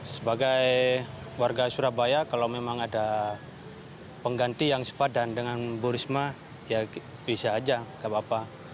sebagai warga surabaya kalau memang ada pengganti yang sepadan dengan bu risma ya bisa aja gak apa apa